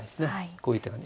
こういう手がね。